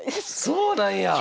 そうなんや！